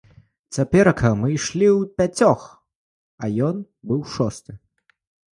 Цяперака мы ішлі ўпяцёх, а ён быў шосты.